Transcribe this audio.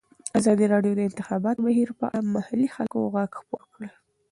ازادي راډیو د د انتخاباتو بهیر په اړه د محلي خلکو غږ خپور کړی.